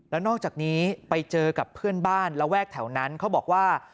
แล้วนอกจากนี้ไปเจอกับเพื่อนบ้านระแวกแถวนั้นเขาบอกว่า